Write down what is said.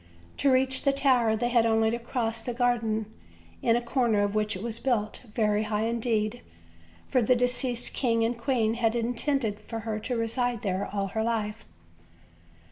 To reach the tower they had only to cross the garden, in a corner of which it was built, very high indeed, for the deceased king and queen had intended her to reside there all her life.